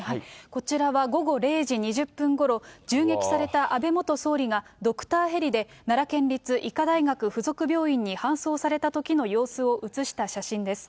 こちらは午後０時２０分ごろ、銃撃された安倍元総理がドクターヘリで奈良県立医科大学附属病院に搬送されたときの様子を写した写真です。